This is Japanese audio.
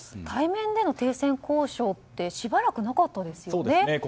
対面での停戦交渉ってしばらくなかったですよね。